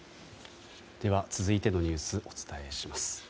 続いてのニュースをお伝えします。